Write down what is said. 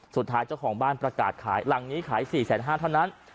สุดท้ายเจ้าของบ้านประกาศขายหลังนี้ขายสี่แสนห้าเท่านั้น